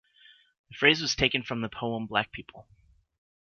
The phrase was taken from the poem, Black People!